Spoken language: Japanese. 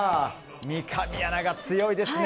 三上アナが強いですね。